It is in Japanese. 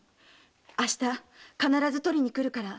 明日必ず取りにくるから。